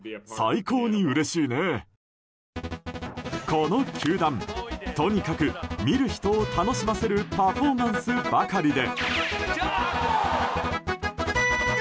この球団とにかく見る人を楽しませるパフォーマンスばかりで。